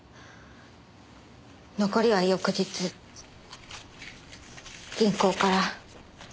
残りは翌日銀行から。